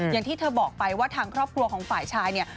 อย่างที่เธอบอกไปว่าทางครอบครัวของฝ่ายชายเนี่ย